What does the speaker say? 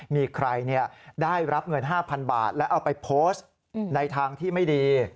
มีใครได้รับเงิน๕๐๐๐บาทแล้วเอาไปโพสต์ในทางที่ไม่ดี